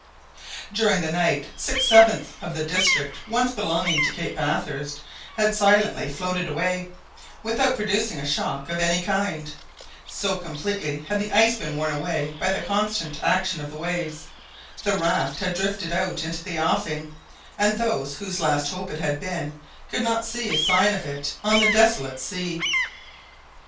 During the night six sevenths of the district once belonging to Cape Bathurst had silently floated away, without producing a shock of any kind, so completely had the ice been worn away by the constant action of the waves, the raft had drifted out into the offing, and those whose last hope it had been could not see a sign of it on the desolate sea.